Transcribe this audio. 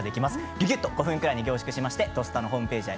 ぎゅぎゅっと５分くらいに凝縮して「土スタ」ホームページや